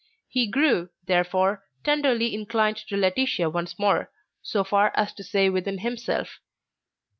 He grew, therefore, tenderly inclined to Laetitia once more, so far as to say within himself.